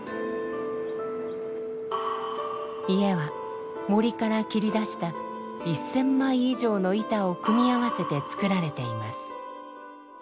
家は森から切り出した１，０００枚以上の板を組み合わせて作られています。